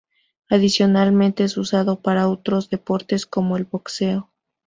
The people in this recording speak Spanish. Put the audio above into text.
Adicionalmente es usado para otros deportes como el Boxeo.